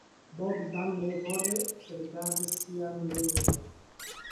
Bogdan nevole rigardis sian ringon.